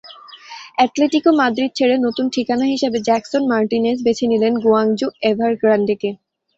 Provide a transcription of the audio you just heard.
Atletico Madrid ছেড়ে নতুন ঠিকানা হিসেবে জ্যাকসন মার্টিনেজ বেছে নিলেন গুয়াংজু এভারগ্রান্ডেকে।